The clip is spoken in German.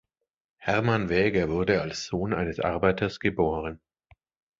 Hermann Wäger wurde als Sohn eines Arbeiters geboren.